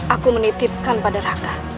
aku menitipkan pada raka